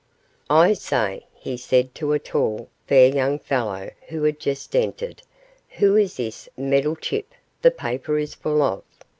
'I say,' he said to a tall, fair young fellow who had just entered, 'who is this Meddlechip the paper is full of?